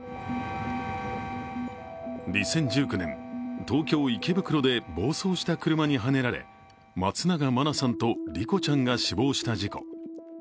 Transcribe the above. ２０１９年、東京・池袋で暴走した車にはねられ松永真菜さんと莉子ちゃんが死亡した事故。